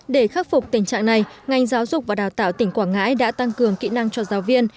để khắc phục tình trạng này ngành giáo dục và đào tạo tỉnh quảng ngãi đã tăng cường kỹ năng cho giáo viên